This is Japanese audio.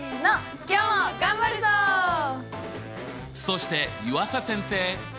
そして湯浅先生！